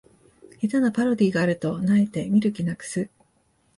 下手なパロディがあると萎えて見る気なくす